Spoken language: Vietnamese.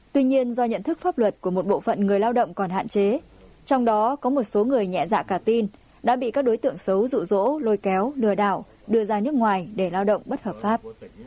tuy nhiên do nhận thức pháp luật của một bộ phận người lao động còn hạn chế trong đó có một số người nhẹ dạ cả tin đã bị các đối tượng xấu rụ rỗ lôi kéo lừa đảo đưa ra nước ngoài để lao động bất hợp pháp